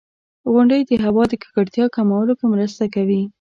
• غونډۍ د هوا د ککړتیا کمولو کې مرسته کوي.